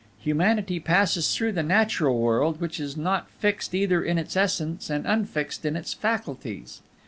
Humanity passes through the Natural world, which is not fixed either in its essence and unfixed in its faculties.